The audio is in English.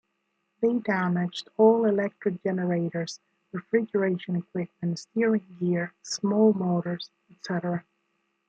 They damaged all electric generators, refrigeration equipment, steering gear, small motors, etc.